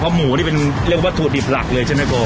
เพราะหมูยังเป็นเรียกว่าถูดดิบหลักเลยเจ้าหน้าโก